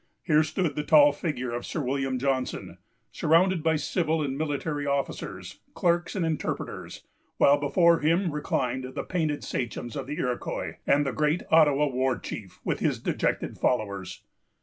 Here stood the tall figure of Sir William Johnson, surrounded by civil and military officers, clerks, and interpreters; while before him reclined the painted sachems of the Iroquois, and the great Ottawa war chief, with his dejected followers.